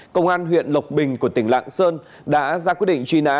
công an tp hcm tỉnh lạng sơn đã ra quyết định truy nã